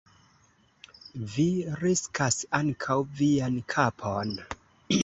Vi riskas ankaŭ vian kapon.